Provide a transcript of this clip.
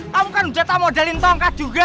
kamu kan jatah modalintongkat juga